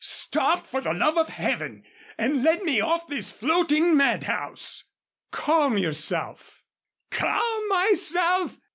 "Stop, for the love of Heaven, and let me off this floating madhouse!" "Calm yourself!" "Calm myself!